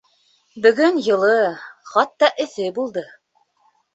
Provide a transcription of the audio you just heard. Бөгөн йылы, хатта эҫе булды.